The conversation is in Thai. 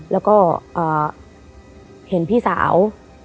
แล้วก็เห็นพี่สาว